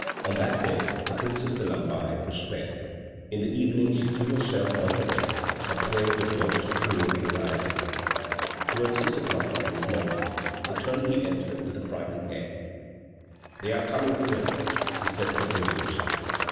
On that day the Princess de Lamballe was spared. In the evening she threw herself on her bed, a prey to the most cruel anxiety. Toward six o'clock the next morning, the turnkey entered with a frightened air: "They are coming here," he said to the prisoners.